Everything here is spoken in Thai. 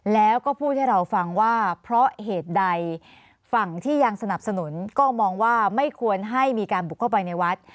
แล้วก็พูดให้เราฟังว่าเพราะเหตุใดฝั่งที่ยังสนับสนุนก็มองว่าไม่ควรให้มีการบุกเข้าไปในวัด